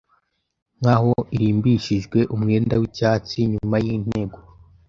Nkaho irimbishijwe umwenda wicyatsi nyuma yintego